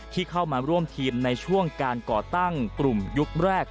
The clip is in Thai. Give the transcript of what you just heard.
ที่เข้ามาร่วมทีมในช่วงการก่อตั้งกลุ่มยุคแรก